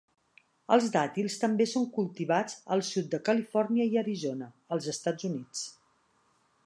Els dàtils també són cultivats al sud de Califòrnia i Arizona, als Estats Units.